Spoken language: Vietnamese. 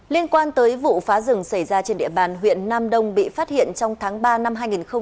liên quan tới vụ phá rừng xảy ra trên địa bàn huyện nam đông bị phát hiện trong tháng ba năm hai nghìn hai mươi ba